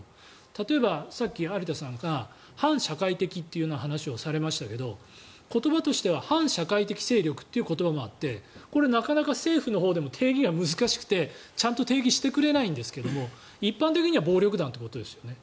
例えば、さっき有田さんが反社会的という話をされましたが言葉としては反社会的勢力という言葉があってこれなかなか政府のほうでも定義は難しくてちゃんと定義してくれないんですが一般的には暴力団ということですよね。